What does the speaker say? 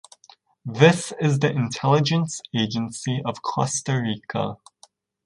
This is the intelligence agency of Costa Rica.